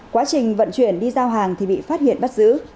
quá trình vận chuyển đi giao hàng thì bị phát hiện bắt giữ